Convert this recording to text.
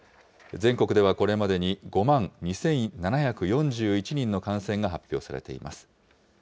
全国ではこれまでに５万２７４１人の感染が発表されています。